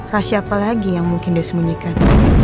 rasa apa lagi yang mungkin dia sembunyikan